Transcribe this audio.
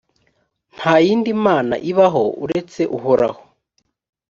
nta yindi mana ibaho uretse uhoraho.